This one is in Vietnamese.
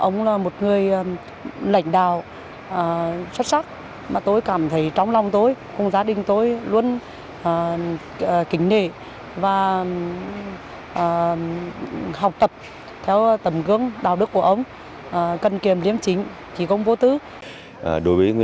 nhà lãnh đạo xuất sắc uy tín của đảng nhà nước và nhân dân